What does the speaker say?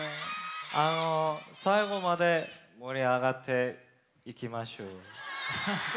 最後まで盛り上がっていきましょう。